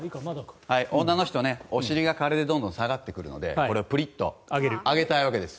女の人、お尻が加齢でどんどん下がってくるのでこれをプリッと上げたいわけです。